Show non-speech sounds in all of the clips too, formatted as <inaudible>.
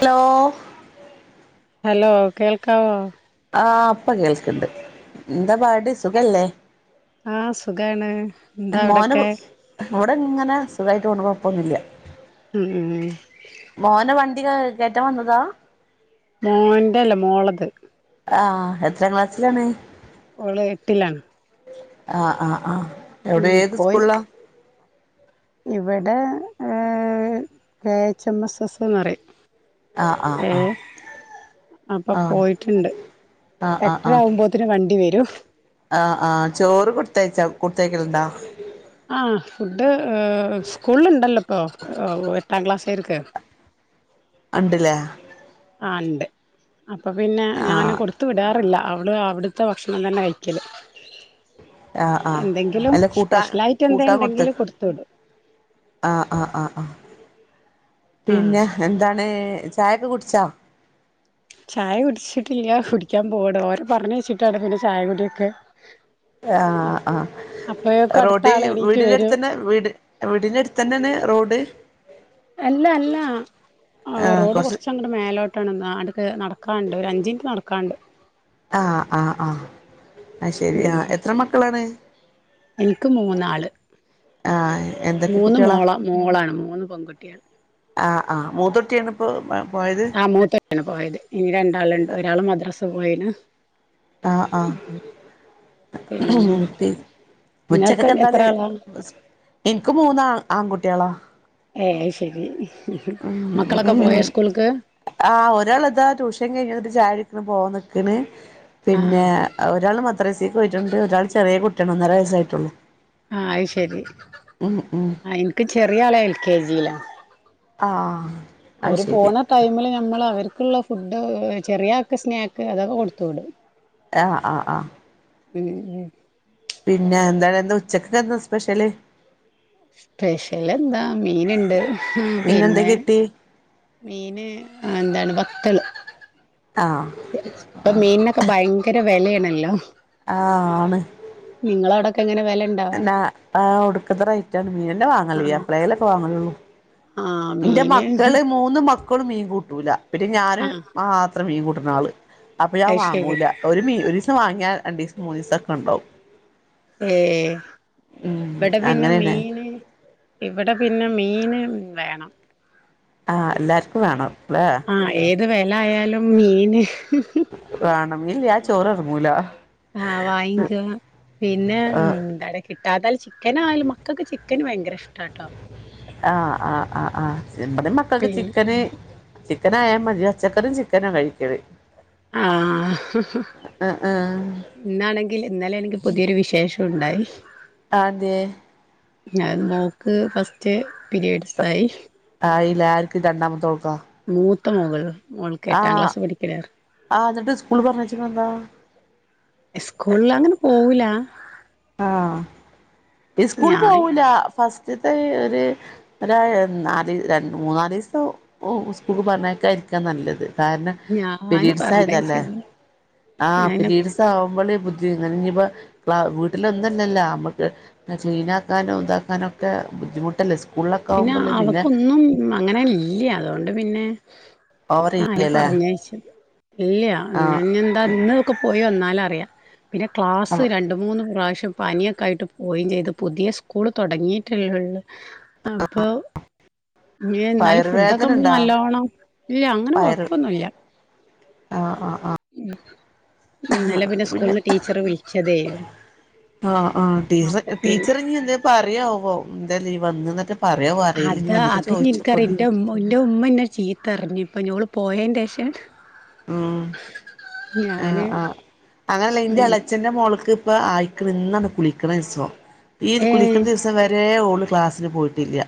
Hello hello കേൾക്കാവോ? ആഹ് ഇപ്പൊ കേൾക്കുണ്ട് എന്താ പാട് സുഖല്ലേ? ആഹ് സുഖാണ്, എന്താ മോന് അവിടൊക്കെ. ഇവിടെ ഇങ്ങനെ സുഖായിട്ട് പോണു കൊഴപ്പൊന്നില്ല. ഉം മോനെ വണ്ടി കേ കേറ്റാൻ വന്നതാ? മോന്റെ അല്ല മോളത്. ആഹ് എത്രാം ക്ലാസ്സിലാണ്? ഓള് എട്ടിലാ. ആഹ് ആഹ് ആഹ് എവിടെ ഉം ഏത് പോയി സ്കൂളിലാ? ഇവിടെ ഏഹ് K H M S S എന്ന് പറയും. ആഹ് ആഹ് ഏഹ് അപ്പൊ ആഹ് പോയിട്ടുണ്ട്, ആഹ് ആഹ് ആഹ് എട്ടര ആഹ് ആവുമ്പോള്. ത്തിന് വണ്ടി വരും. ആഹ് ആഹ് ചോറ് കൊടുത്തയച്ചോ, കൊടുത്തയക്കാലുണ്ട? ആഹ് ഫുഡ് സ്കൂളിലുണ്ടല്ലോ ഇപ്പോ, എട്ടാം ക്ലാസ്സുക്കാർക്ക്. ഉണ്ടാല്ലേ? ആഹ് ഇണ്ട്, അപ്പൊ പിന്നെ ഞാന് ആഹ് കൊടു ത്തു വിടാറില്ല അവള് അവിടുത്തെ ഭക്ഷണം തന്നെ കഴിക്കാല്. ആഹ് ആഹ് എന്തെങ്കിലും അല്ല കൂട്ടാൻ സ്പെഷ്യലായിട്ട് കൂട്ടാൻ എന്തേണ്ടെങ്കില് കൊടുത്തയക്ക് കൊടുത്തു വിടും. ആഹ് ആഹ് ആഹ് ആഹ് ആഹ് പിന്നെ എന്താണ് ചായ ഒക്കെ കുടിച്ചോ? ചായ കുടിച്ചിട്ടില്ല കുടിക്കാൻ പോണ്, ഓരെ പറഞ്ഞുയച്ചിട്ടാണ് പിന്നെ ചായ കുടിയൊക്കെ. ആഹ് ആഹ് അപ്പോഴേക്കും അടുത്ത റോഡ് ആള് എണീറ്റ് വീടിന്റെ വരും അടുത്ത് തന്നെ വീട്. വീടിന്റെ അടുത്ത് തന്നെയാണ് റോഡ്. അല്ല അല്ല ആ റോഡ് കുറച്ച് കൊറച്ച് എങ്ങാണ്ട്. വീട് മേലോട്ടാണ് അടുത്ത് നടക്കാനുണ്ട്, ഒരു അഞ്ച് മിനിറ്റ് നടക്കാനുണ്ട്. ആഹ് ആഹ് ആഹ് അത് ശരി, ആഹ് എത്ര മക്കളാണ്? എൻക്ക് മൂന്നാള്. ആ എന്തൊക്കെ മൂന്ന് കുട്ടികളാ മോളാ മോളാണ്. മൂന്ന് പെങ്കുട്ട്യേള്. ആഹ്. ആഹ്. മൂത്തൊട്ടിയാണ് പ്പൊ പാ പോയത്? ആഹ്. മൂത്തട്ടിയാണ് പോയത്. ഇനി രണ്ടാള്ണ്ട്. ഒരാള് മദ്രസ് പോയിന്. ആഹ്, ആഹ്. പിന്നെ എന്തൊക്കെ <unintelligible> നിങ്ങൾക്ക് ഉച്ചക്കെക്ക് എത്ര എന്താള്ളെ ആളാ സ് ഇൻക്ക് മൂന്നാ ആങ്കുട്ടിയളാ. ഏഹ് അയ് ശരി. മക്കളൊക്കെ പോയൊ സ്കൂൾക്ക്? ആഹ് ഒരാള്താ ട്യൂഷൻ കഴിഞ്ഞെന്ന്ട്ട് ചായൊടിക്ക്ണ് പോവാ നിക്ക്ണ്. ആഹ് പിന്നെ ആഹ് ആ ഒരാള് മദ്രസക്ക് പോയിട്ടുണ്ട്. ഒരാള് ചെറിയ കുട്ട്യാണ് ഒന്നര വയസ്സായിട്ടൊള്ളു. ആഹ് അയ് ശരി. ഉം ആഹ് എൻക്ക് ചെറിയാള് എൽ കെ ജിയിലാ. ആഹ്, ആഹ്. അവര് പോണ ടൈമില് ഞമ്മള് അവര്ക്ക്ള്ളെ ഫുഡ് ഏഹ് ചെറിയാക്ക് സ്നേ ക്കെ അതൊക്കെ കൊട്ത്ത് വിടും. ആഹ് ആഹ് ആഹ് ഉം പിന്നെ ന്താണ് ന്ന് ഉച്ചക്കെന്താ സ്പെഷ്യല്? സ്പെഷ്യലെന്താ മീന്ണ്ട് ഉം. മീനെന്താ പിന്നെ കിട്ടി മീന് എന്താണ് വത്തള്. ആഹ് പ്പൊ മീൻനൊക്കെ ഭയങ്കര വെലയാണല്ലൊ. ആഹ് ആണ്. നിങ്ങളെ അവ്ടൊക്കെ എങ്ങനെ വെല ണ്ടൊ? എന്നാ ആഹ് ഒട്ക്കത്തെ റേറ്റാണ്. മീനെന്നെ വാങ്ങല്‌ല്ലാ ആഹ് ഇപ്പളേ ലൊക്കെ വാങ്ങലൊള്ളു. ആഹ് ന്റെ മീന് മക്കള് മൂന്ന് മ ക്കള് മീൻ കൂട്ടൂല. പിന്നെ ഞാന് ആഹ് മാത്രം മീൻ കൂട്ട്ണ ആള്. അപ്പൊ ഞാൻ അത് ശരി വാങ്ങൂല. ഒരു മീ ഒരിസം വാങ്ങിയാ രണ്ടീസം മൂന്നിസൊക്കെണ്ടാവും. ഏഹ്. ഉം വടെ പിന്നെ അങ്ങനെയാണ് മീന് ഇവടെ പിന്നെ മീന് വേണം. ആഹ് എല്ലാർക്കും വേണം ല്ലേ. ആഹ് ഏത് വെല ആയാലും മീന് വേണം ന്നില്യാ ആ ചോറെർങ്ങൂല. ആഹ് വാങ്ങിക്കണം. പിന്നെ എട... കിട്ടാതൽ ചിക്കനായാലും മക്കക്ക് ചിക്കന് ഭയങ്കര ഇഷ്ടാട്ടൊ. ആഹ് ആഹ് ആഹ് ആഹ്. ഇപ്പത്തിൻ മക്കക്ക് പിന്നെ ചിക്കന് ചിക്കനായാ മതി. പച്ചക്കറിയും ചിക്കനാ കഴിക്കല്. ആഹ് ആഹ് ആഹ് ഇന്നാണെങ്കില് ഇന്നലേണെങ്കി പുതിയൊരു വിശേഷോണ്ടായി. ആന്തേ? ഞാ മോക്ക് ഫസ്റ്റ് പീരീഡ്സായി. ആയിലെ. ആര്ക്ക് രണ്ടാമത്തോക്കൊ? മൂത്ത മകള്. മോൾക്ക് എട്ടാം ആഹ് ക്ലാസ് പഠിക്കണ ആഹ് എന്ന്ട്ട് സ്കൂള്ള് പർഞ്ഞേച്ച്ക്ക്ണെന്താ? സ്കൂൾലങ്ങനെ പോവൂലാ ആഹ്. ഇസ്കൂള്ള് ഞാൻ പോവൂലാ. ഫസ്റ്റ്ത്തെ ഒര് ഒരായ നാല്, രണ്ട്, മൂന്നാലീസം ഓഹ് സ്കൂൾ പർഞ്ഞേക്കായിരിക്കാ നല്ലത്. കാരണം ഞാന് പിരീഡ്സായതല്ലെ. പറഞ്ഞയച്ച്ക്ക്ണ് ആഹ് ഞാന് പിരീഡ്സാവുമ്പള് ബുദ്ധി വര്നെ. ഞ്ഞിപ്പൊ വാ വീട്ടില് ന്നൊല്ലല്ലാ അമ്മക്ക് ക്ലീനാക്കാനും താക്കാനൊക്കെ ബുദ്ധിമുട്ടല്ലേ സ് പിന്നെ അവക്കൊന്നും അങ്ങനെ ല്ല്യ അതോണ്ട് പിന്നെ ഓവർ ഞാന് ചെയ്യല്ലേ പറഞ്ഞയച്ചത് ഇല്ല്യ ആഹ് ഇന്ന്ഞ്യെന്താ ഇന്ന് ഒക്കെ പോയി വന്നാലറിയ പിന്നെ ക്ലാസ്സ് അപ്പൊ രണ്ട് മൂന്ന് പ്രാവിശ്യം പനിയൊക്കായിട്ട് പോയിം ചെയ്ത് പുതിയ സ്കൂള് തൊടങ്ങിയിട്ടല്ലെള്ള് അപ്പോ ഇ ന്നാലും ഫുഡോക്കെ വയറുവേദന ഇണ്ടാ നല്ലോണം ഇല്ലഅങ്ങനെ വയറ് കൊഴപ്പൊന്നുയില്ല ആഹ് ആ ആ മ്മ് ഇന്നലെ പിന്നെ സ്കൂൾന്ന് ടീച്ചറ് വിളിച്ചതേ ആഹ് ആഹ് ടീച്ചർ ടീച്ചറിനിയെന്തേ പറിയാവോ എന്താലീ വന്ന്ന്നെറ്റെ പറ്യോ ന്നറീല ന്നി വന്നിട്ട് ചോയ്ചോക്കോണ്ടി ഓൻ്റുമ്മ ന്നെ ചീത്തർഞ്ഞ് പ്പഞ്ഞ് ഓള് പോയേന്റേഷാ ആഹ് ആ ഞാന് ആ അങ്ങനല്ല ന്റെ എളച്ചന്റെ മോൾക്ക്പ്പൊ ആയിക്ക്ണ് ഇന്നാണ് കുളിക്ക്ണസം. ഈ ത് കുളിക്കുന്ന ഏഹ് ദിവസം വരെ ഓള് ക്ലാസ്സിന് പോയിട്ടില്ല്യ.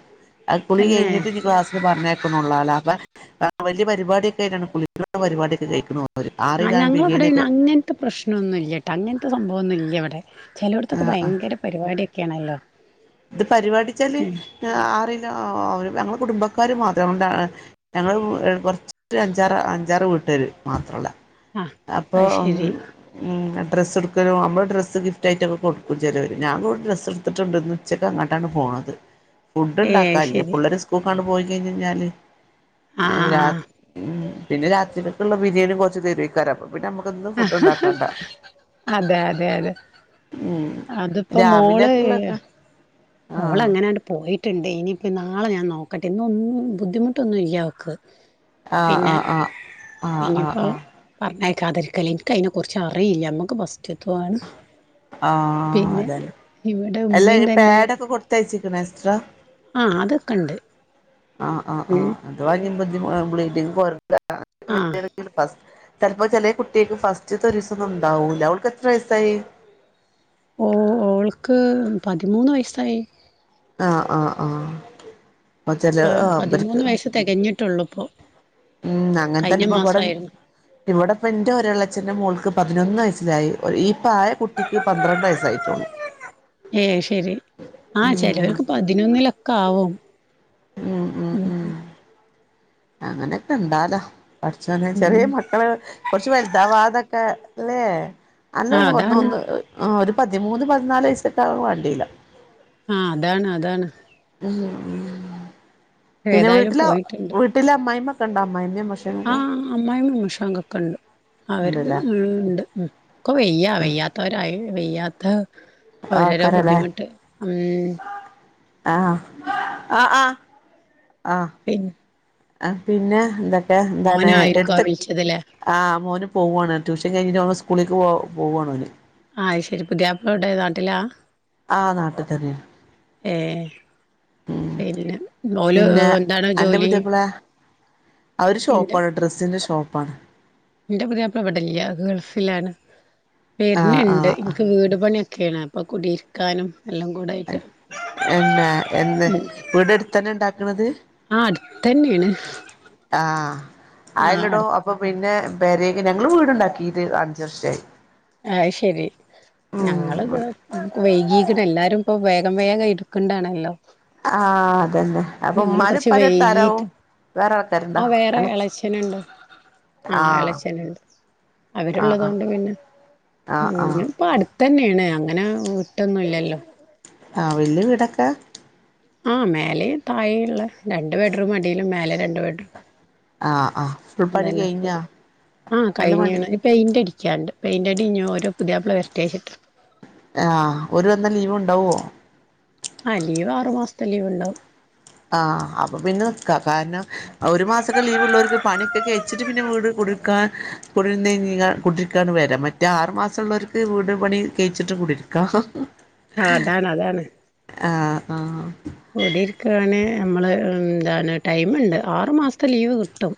അ കുളി തന്നെ കെയ്ഞ്ഞിട്ട്ന്നി ക്ലാസ് പർഞ്ഞയക്കണൊള്ളാലാപ്പ വല്യ പരിപാടിക്കെ ആയിട്ടാണ് കുളിക്കണ പരിപാടിക്കെ കയിക്കണ് ഓല്. ആറില വടെ പിന്നങ്ങൻത്ത പ്രശ്നൊന്നുല്യട്ടങ്ങൻത്ത സംഭവൊന്നുല്യവടെ ചെലോട്ത്തൊക്കെ ആഹ് ഭയങ്കര പരിപാട്യൊക്കേണല്ലോ. ത് പരിപാടിച്ചാല് അ ആറിലോ അവര് ഞങ്ങളെ കുടുംബക്കാര് മാത്രംന്താ - ഞങ്ങള് കൊർച്ച്ട്ട് അഞ്ചാറ് അഞ്ചാറ് വീട്ടുകര് മാത്രള്ളെ. ആ അപ്പൊ അത് ഉം. ശരി ഉം ഡ്രസ്സ്‌ട്ക്കലും നമ്മള് ഡ്രസ് ഗിഫ്റ്റായിറ്റൊക്കെ കൊടുക്കും ചെലോര്‌. ഞാൻ കൊ ഡ്രസ്സ്‌ട്ത്ത്ട്ട്ണ്ട്ന്ന്. ഉച്ചക് അങ്ങട്ടാണ് പോണത്. ഏ അത് ഫുഡ്ഡ്ണ്ടാക്കാല്ല. ശരി പിള്ളേര് സ്കൂൾക്കണ്ട് പോയി കയ്ഞ്ഞയ്ഞ്ഞാല്. ആ ഏ ആ ആ. രാത് ഉം പിന്നെ രാത്രിക്കക്ക്ള്ള ബിരിയാണി കൊർച്ച് തെരോയ്ക്കാരപ്പം. പിന്നമ്മക്ക് ഒന്നും ഫുഡ്ഡ്ണ്ടാക്കണ്ട. അതെ അതെ അതെ ഉം അത്പ്പ മോള് രാവിലെക്കുള്ളൊക്കെ ആഹ് മോളെങ്ങനാണ്ട് പോയിട്ട്ണ്ട് ഇനിയിപ്പോ നാളെ ഞാൻ നോക്കട്ടെ ഇന്നൊന്നും ബുദ്ധിമുട്ടൊന്നും ഇല്യ അവക്ക്. ആഹ് അ പിന്നെ അ ആഹ് അ അ. പർഞ്ഞേക്കാതിര്ക്കല് ഇൻക്കയ്നെക്കുറിച്ചറീല്ല, അമ്മക്ക് ഫസ്റ്റ്ത്തും ആണ്. ആഹ് അതന്നെ ഇവിടെ എല്ലാ ഉമ്മയും ഈ പാഡൊക്കെ കൊടുത്തയച്ചിരിക്ക്ണോ എക്സ്ട്രാ. ആഹ് അതൊക്കണ്ട്. ആഹ് ആഹ് ആഹ് അഥവാ ന്നിപ്പൊ ജ്ജ് ബ്ലീഡിങ് പോവരുത് ആ <unintelligible> സ്റ്റിൽ ഫസ് ചെലപ്പോ ചെലെ കുട്ട്യേക്ക് ഫസ്റ്റ്ത്ത ഒരിസൊന്നുണ്ടാവൂല്ല ഓൾക്കെത്ര വയസ്സായി? ഓ ഓൾക്ക് പതിമൂന്ന് വയസ്സായി. ആഹ് ആഹ് ആഹ്. അപ്പൊ ചെല പ ആഹ് ഇവർക്ക് പതിമൂന്ന് വയസ്സ് തെകഞ്ഞി ട്ടൊള്ളുപ്പൊ. ഉം അങ്ങൻതന്നെപ്പൊ വടെ ഇവടെപ്പൊന്റൊരളച്ഛൻ്റെ മോൾക്ക് പതിനൊന്ന് വയസ്സിലായി. ഈ ഇപ്പായ കുട്ടിക്ക് പന്ത്രണ്ട് വയസ്സായിട്ടുള്ളു. ഏ ശരി ആഹ് ഉം ചെലോൽക്ക് പതിനൊന്നിലൊക്കാവും. ഉം ഉം ഉം. അങ്ങനെക്കെ ഇണ്ടാലോ പട്ച്ചോനെ ചെറ്യേ ഉം മക്കള് കൊർച്ച് വൽതാവാതൊക്കെ ല്ലേ ആ അന്നൊന്നും അതാണ് കൊട്ന്നൊന്ന്. ആ ഒരു പതിമൂന്ന് പതിനാല് വയസ്സൊക്കാലും വാണ്ടീല. ആ അതാണ് അതാണ്. ഉം ഉം ഉം പിന്നെ ഏതായാലും വീട്ടില പോയിട്ടുണ്ട് വീട്ടില അമ്മായിമ്മക്കെ ഇണ്ടോ അമ്മായിമ്മിം അമ്മോഷ ആ അമ്മായിമ്മിം അമ്മോഷനൊക്കെ ഇണ്ട് അവര് ഉണ്ടല്ലേ ഉം ഇണ്ട് ഉം ഒക്കെ വെയ്യാ വെയ്യാത്തവരായി വെയ്യാത്ത ഓരോരോ ആക്കാരല്ലേ ബുദ്ധിമുട്ട് ഉം അഹ് ആഹ് ആഹ് ആഹ് ആഹ് പിന്നെ? ആ പിന്നെ എന്തൊക്കെ എന്താണ് മോനായിരിക്കും ആ എട്ത്ത വിളിച്ചതല്ലേ ആ മോന് പോവാണ് ട്യൂഷൻ കഴിഞ്ഞിട്ട് ഓൻ സ്കൂളിക്ക് പോ പോവാണോന്. അഹ് ശരി പുതിയാപ്പ്ള എവിടെ നാട്ടിലാ? ആ നാട്ടിൽ തന്നെയ. ഏഹ് പിന്നെ ഓല് ഹ് പിന്നെ എന്താണ് അന്റെ ജോലി? പുതിയാപ്പള അവര് ഇന്റെ ഷോപ്പാണ് ഡ്രസ്സിന്റെ ഷോപ്പാണ്. ഇന്റെ പുതിയാപ്ല ഇവടെല്ല ഗൾഫിലാണ് ആഹ് വെര്ൻണ്ട് ആഹ് ഇൻ ആഹ് ക്ക് വീട് പണിയൊക്കെയാണ് അപ്പൊ കുടിയിരിക്കാനും എല്ലം കൂടെ എൻ എന്നാ എന്ന് വീടെടുത്തന്നെ ഇണ്ടാക്ക്ണത്? ആ അട്ത്തെന്നേണ് ആ ആയെല്ലെടോ ഒ പ്പൊ പിന്നെ പെരേക്ക് ഞങ്ങള് വീടുണ്ടാക്കിട്ട് അഞ്ച് വർഷായി. അഹ്ശെരി ഞങ്ങ ഉം ഞങ്ങള്താ കു വൈകിക്ക്ണ് എല്ലാരും ഇപ്പൊ വേഗം വേഗം എടുക്ക്‌ണ്ടാണല്ലോ. ആ അതന്നെ അപ്പൊ ഞങ്ങള് ഉമ്മാനും കൊറച്ച് ഉപ്പാനും അടുത്ത് ആരാവും വൈകീട്ട് വേറെ ആൾക്കാരുണ്ടോ ആ വേറെ അല്ല എളച്ചനുണ്ട്. ആ ആഹ് എളച്ചനുണ്ട് ആഹ് അവരുള്ളത് ആഹ് കൊണ്ട് പിന്നെ ഉം ആഹ് ആഹ് പിന്നെപ്പട് ത്തന്നേണ് അങ്ങനെ വി ആ വല്യ വീടൊക്കെ? ആ മേലെ തായേ ഇള്ളേ രണ്ട് ബെഡ്റൂം അടിയിലും മേലെ രണ്ട് ബെഡ്റൂം. ആഹ് ആഹ് ഫുൾ പണി അതന്നെ ക്കൊ കഴിഞ്ഞാ ആ ഫുള്ള് പണി കഴിഞ്ഞീണ് ഇഞ്ഞ് പെയിൻ്റെടിക്കാണ്ട് പെയിൻ്റെടിഞ്ഞി ഓര പുതിയപ്ല വരട്ടെച്ചിട്ട്. ആ ഓര് വന്നാ ലീവ് ഇണ്ടാവോ? ആ ലീവ് ആറു മാസത്തെ ലീവ് ഇണ്ടാവും. ആ അപ്പ പിന്നെ നിക്കാ കാരണം ഒരു മാസക്കെ ലീവ്ള്ളോർക്ക് പണിക്കെ കെയ് ച്ചിട്ട് പിന്നെ വീട് കുടിരിക്കാൻ കുടിരുന്നു കഴിഞ്ഞേഞ്ഞാൽ കുടിരിക്കാന് വരാം മറ്റേ ആറ് മാസള്ളോർ വീട് പണി കഴിച്ചിട്ട് കുടിരിക്കാം. ആ അതാണ് അതാണ് ആഹ് ആഹ് കൂടിരിക്കാന് നമ്മള് എന്താണ് ടൈമുണ്ട് ആറു മാസത്തെ ലീവ് കിട്ടും.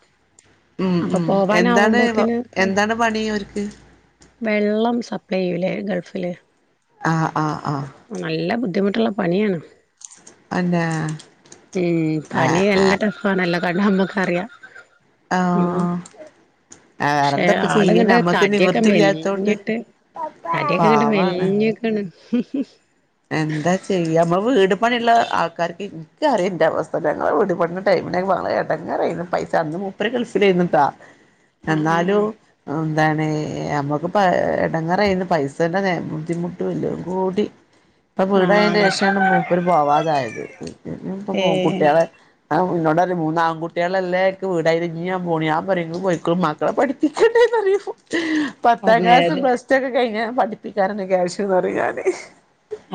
ഉം അപ്പൊ ഉം എന്താണ് വ പോവാനാവുമ്പോത്തിന് എന്താണ് പണി ഇവര്ക്ക്‌? വെള്ളം സപ്ലൈ ചെയ്യുലെ ഗൾഫില്? ആഹ് ആഹ് ആഹ് നല്ല ബുദ്ധിമുട്ടുള്ള പണിയാണ്. അന്നെ ഉം പണി ആഹ് നല്ല ടഫ് ആണല്ലോ കണ്ടാ നമ്മക്കറിയാ. ആ പക്ഷെ വേറെന്തപ്പ ചെയ്യ ആള്ങ്ങട്ട് നമ്മക്ക് തടിയൊക്കെ നിവൃത്തില്ലാത്തോണ്ട് മെലിഞ്ഞിട്ട് പാവാണ്. ഹും ഹ്‌ ഹ്‌. എന്താ ചെയ്യാ മ്മള് വീട് പണിയുള്ള ആൾക്കാർക്ക് ഇൻക്കറിയാ ഇന്റെ അവസ്‌ഥ ഞങ്ങളെ വീട് പണിന്റെ ടൈമിന് മാളേ ഇടങ്ങറെനി പൈസ അന്ന് മുപ്പര് ഗൾഫിലെരുന്ന്ട്ടാ. ആഹ് ആഹ് എന്നാലും. എന്താണ് നമ്മുക്ക് പൈ എടങ്ങറെര്ന്ന് പൈസേന്റെ ബുദ്ധിമുട്ടും എല്ലാംകൂടി. ഇപ്പൊ വീട് ആഹ് ആയെന്റെ ആഹ് ശേഷാണ് മൂപ്പര് പോവാതായത് ഇപ്പൊ ഏഹ് കുട്ടിളെ ആഹ് ഉന്നോട് പറിം മൂന്ന് ആൺകുട്ടിളെല്ലേ ഇക്ക് വീടായിലെ ഇഞ്ഞി ഞാൻ പോണില്ല ഞാൻ പറയും ഇങ്ങള് പോയിക്കോ മക്ക പഠിപ്പിച്ചണ്ടെന്നറിയുപ്പൊ പത്താം അതെ ക്ലാസ് അതെ പ്ലസ്ടു ഒക്കെ കഴിഞ്ഞ പഠിപ്പിക്കാനൊന്നു ക്യാഷ്ന്ന് പറയും ഞാന്.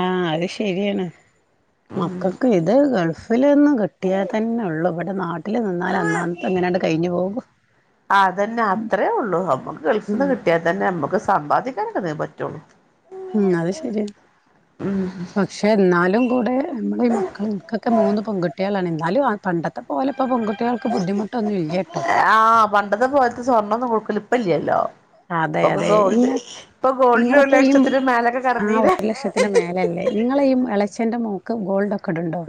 ആഹ് അത് ശെരിയാണ് മക്കൾക്ക് ഇത് ഗൾഫ് ന്ന്ലൊന്നും കിട്ടിയാ തന്നെ ഉള്ളു ഇവിടെ നാട്ടില് നിന്നാല് അന്നേന്നാത്തത് ഇങ്ങനെങ്ങാണ്ട് കഴിഞ്ഞു പോവും. അതന്നെ അത്രയേ ഉള്ളു നമ്മുക്ക് ഗൾഫിന്ന് ഉം നിന്ന് കിട്ടിയാൽ തന്നെ നമ്മുക്ക് സമ്പാദിക്കാനൊക്കെ എന്തെലും പറ്റുള്ളൂ. ഉം അത് ശരിയാണ് പക്ഷേ പക്ഷേ എന്നാലും കൂടെ നമ്മള ഈ മക്കൾൻക്കൊക്കെ മൂന്ന് പെൺകുട്ടികളാണ് എന്നാലും ആഹ് പണ്ടത്തെ പോലെ ഇപ്പൊ പെൺകുട്ടികൾക്ക് ബുദ്ധിമുട്ടൊന്നു ഇല്ലേട്ടോ. ആഹ് പണ്ടത്തെ പോലെത്തെ സ്വർണ്ണൊന്നും കുടുക്കലിപ്പല്ലല്ലോ. അതെ ഇപ്പൊക്കെ അതെ ഇങ്ങ ഗോൾഡ് ഇപ്പൊ ഗോൾഡിന് ഒര്ലക്ഷത്തിന് മേലൊക്കെ കടന്നിലെ. ലക്ഷത്തിൻ്റെ മേലല്ലേ നിങ്ങള ഈ ഇളച്ചൻ്റെ മോക്ക് ഗോൾഡ് ഒക്കെ ഇടുണ്ടോ?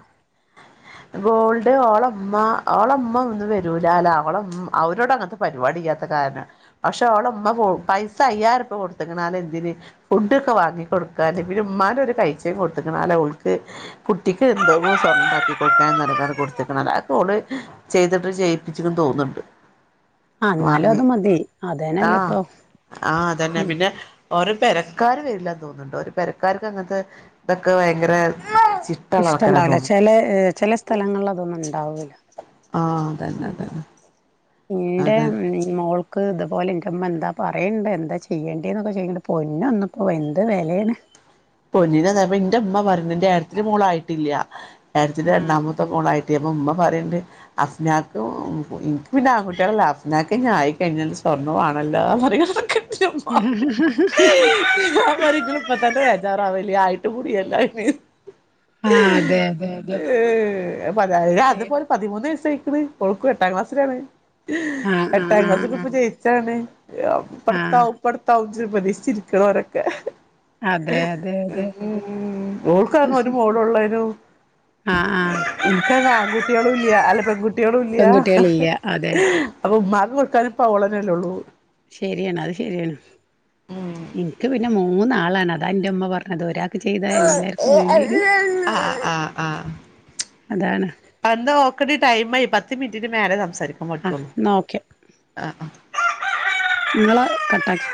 ഗോൾഡ് ഓളെമ്മ ഓളമ്മന്നും വരൂലലാ അവളമ്മ അവരോടങ്ങനത്തെ പരി പരിപാടിയാത്ത കാരണം പക്ഷെ അവളെ ഉമ്മ പൈസ അയ്യായിരം രൂപ കൊടുത്തക്കണാല എന്തിന് ഫുഡ് ഒക്കെ വാങ്ങി കൊടുക്കാന് പിന്ന ഉമ്മാന്റെ ഒരു കൈചെയിൻ കൊടുത്ത്ക്ക്‌ണാലാ ഓള്ക്ക്. കുട്ടിക്ക് എന്തോന്ന് സ്വർണ്ണണ്ടാ കൊടുക്കാൻ ന്നാർഞ്ഞാക്കണ്ട് കൊടുത്തക്കണതാ അതൊക്കോള് ചെയ്തിട്ട് ചെയ്യിപ്പിച്ച്ന്ന് തോന്നുന്നുണ്ട് ആഹ് എന്നാലും വാങ്ങി അത് മതി അതന്നെല്ലേ ആഹ് ഇപ്പൊ ആഹ് തന്നെ ഉം പിന്നെ ഓരോ പെരക്കാര് വരില്ലന്ന് തോന്നുന്നുണ്ട് ഒരു പരക്കാർക്ക് അങ്ങനത്തെ ഇതൊക്കെ ഭയങ്കര ചിട്ടള്ള ആൾക്കാരാന്ന് ഇഷ്ടണ്ടാവില്ല തോന്നുന്നു ചില ചില സ്ഥലങ്ങളിൽ അതൊന്നും ഉണ്ടാവില്ല ആഹ് അതന്നെതന്നെ പിന്റെ മോൾ ക്ക് ഇതുപോലെ <unintelligible> എന്താ പറയേണ്ടത് എന്താ ചെയ്യേണ്ടത് എന്നൊക്കെ ചെയ്യുന്നുണ്ട് പൊന്ന ഒന്നിപ്പോൾ എന്ത് വിലയാണ് പൊന്നിനർ ഞ്ഞ എന്റെ അമ്മ. പറഞ്ഞന്റെ ഏടത്തിൻ്റെ മോളയിട്ടില്ല ഏടത്തിന്റെ ആഹ് രണ്ടാമത്തെ മോളായിട്ടി അപ്പ ഉമ്മ പറയണ്ട് അഫ്നാക്കും എനിക്ക് പിന്നെ ആൺകുട്ടികളല്ല അഫ്നാക്കെ ഇനി ആയി കഴിഞ്ഞ് സ്വർണ്ണമാണല്ലോന്ന് പറയതൊക്കെ <unintelligible> <unintelligible> ഏഹ് ആഹ് അതെ അതെ അതെ ഏഹ് ഏഅതിപ്പോ ഒരു പതിമൂന്ന് വയസായികണ് ഓൾക്ക് എട്ടാം ക്ലാസ്സിലാണ് ഈ ആഹ് എട്ടാം ആഹ് ആഹ് ക്ലാസ്സൊക്കെ ആഹ് ഇപ്പൊ ജയിച്ചാണ് ആഹ് ഇപ്പംപടുത്താവും ഇപടുത്താവും ജ്ജജ്പ്രതീക്ഷിച്ച് ഇരിക്ക്ണോഓരെക്കെ അതെയതെയതെ ഓൾക്കാകെ <unintelligible> ആഹ് ആഹ് ഇനിക്ക് ആൺകുട്ടികളും ഇല്ല പെൺകുട്ടികളും ഇല്ല പെൺകുട്ടികളില്ല അതെ അപ്പൊ ഉമ്മാക്ക് കൊടുക്കാന് ഇപ്പവളനേല്ലേള്ളൂ ശരിയാണ് അത് ശരിയാണ് എനിക്ക് പിന്നെ മൂന്നാളാണ് അത അന്റെ അമ്മ പറഞ്ഞത് ഒരാ ഇപ്പൊ ചെയ്ത എല്ലാർക്കും വേണ്ടി വരും ആഹ് അതാണ് അപ്പന്താ ഓക്കടി ടൈമായി പത്ത് മിനിറ്റിന് മേലെ സംസാരിക്കും ആഹ് എന്നാ ഓക്കെ, നിങ്ങള് കട്ടാക്കി